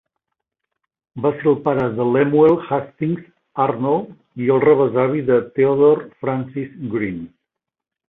Va ser el pare de Lemuel Hastings Arnold i el rebesavi de Theodore Francis Green.